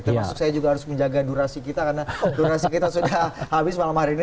termasuk saya juga harus menjaga durasi kita karena durasi kita sudah habis malam hari ini